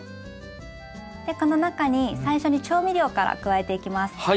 でこの中に最初に調味料から加えていきます。